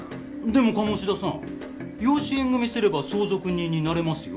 でも鴨志田さん養子縁組すれば相続人になれますよ。